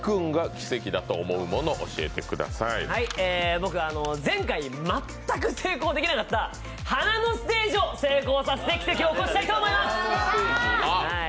僕、前回全く成功できなかった華のステージを成功させて奇跡を起こしたいと思います。